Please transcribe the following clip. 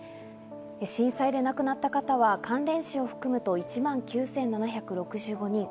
震災で亡くなった方は、関連死を含むと１万９７６５人。